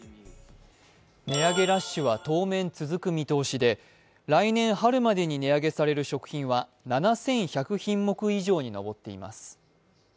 値上げラッシュは当面続く見通しで来年春までに値上げされる食品は７１００品目以上に上っています。